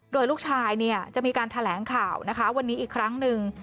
โดยลูกชายเนี่ยจะมีการแถลงข่าวนะคะวันนี้อีกครั้งหนึ่ง